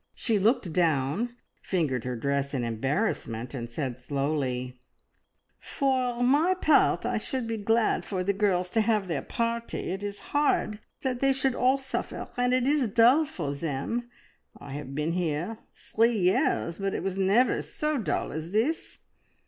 She looked down, fingered her dress in embarrassment, and said slowly "For my part I should be glad for the girls to have their party. It is hard that they should all suffer, and it is dull for them. I have been here three years, but it was never so dull as this.